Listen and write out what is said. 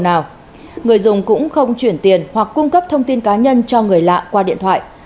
người dùng cũng không chuyển tiền hoặc cung cấp thông tin cá nhân cho người lạ qua điện thoại